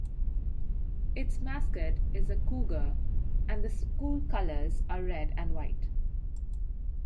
Its mascot is a cougar, and the school colors are red and white.